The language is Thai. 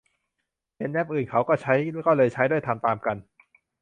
เห็นแอปอื่นเขาก็ใช้ ก็เลยใช้ด้วย ทำตามกัน